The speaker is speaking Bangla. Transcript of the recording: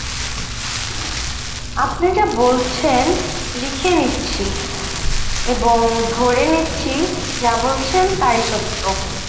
আপনি যা বলছেন লিখে নিচ্ছি এবং ধরে নিচ্ছি যা বলছেন সবই সত্য।